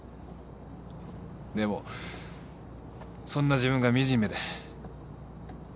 でもそんな自分が惨めで。